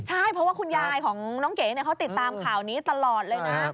ใช่เพราะว่าคุณยายของน้องเก๋เขาติดตามข่าวนี้ตลอดเลยนะ